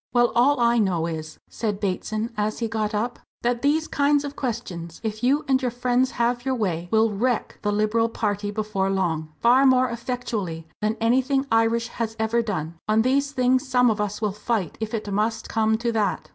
"Well, all I know is," said Bateson, as he got up, "that these kinds of questions, if you and your friends have your way, will wreck the Liberal party before long far more effectually than anything Irish has ever done. On these things some of us will fight, if it must come to that."